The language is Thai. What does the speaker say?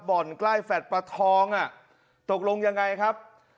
บ่อนใกล้แฟดปลาทองอ่ะตกลงยังไงครับ